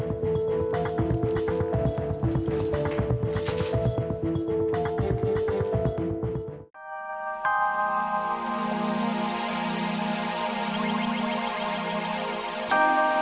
aku gak akan pernah menyerah